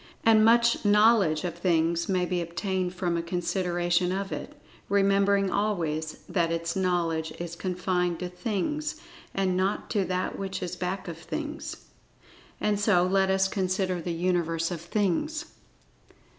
And, much knowledge of Things may be obtained from a consideration of it—remembering always, that its knowledge is confined to Things, and not to That which is back of Things. And, so let us consider the Universe of Things.